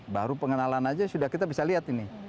baru pengenalan aja sudah kita bisa lihat ini